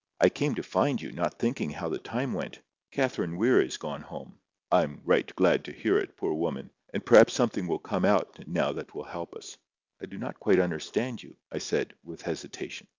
"I came to find you, not thinking how the time went. Catherine Weir is gone home." "I am right glad to hear it, poor woman. And perhaps something will come out now that will help us." "I do not quite understand you," I said, with hesitation.